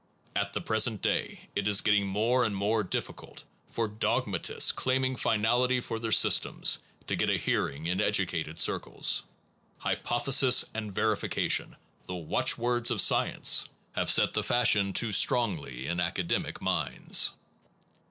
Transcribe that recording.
At the pres ent day, it is getting more and more difficult for dogmatists claiming finality for their sys tems, to get a hearing in educated circles. Hypothesis and verification, the watchwords of science, have set the fashion too strongly in academic minds.